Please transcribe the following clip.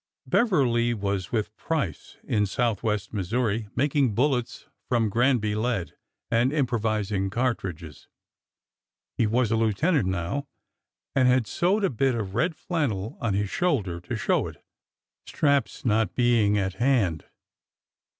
Beverly was with Price, in southwest Missouri, making bullets from Granby lead and improvising cartridges. He was a lieutenant now and had sewed a bit of red flan nel on his shoulder to show it, straps not being at hand.